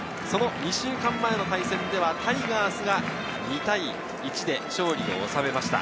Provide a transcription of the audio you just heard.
２週間前の対戦ではタイガースが２対１で勝利を収めました。